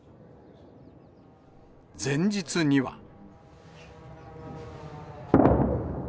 前日には。